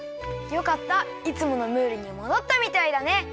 よかったいつものムールにもどったみたいだね。